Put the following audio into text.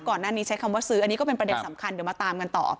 ก่อนหน้านี้ใช้คำว่าซื้ออันนี้ก็เป็นประเด็นสำคัญเดี๋ยวมาตามกันต่อ